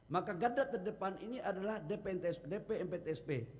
maka garda terdepan ini adalah dpm ptsp